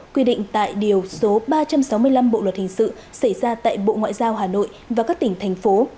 quy định tại điều số ba trăm sáu mươi năm bộ luật hình sự xảy ra tại bộ ngoại giao hà nội và các tỉnh thành phố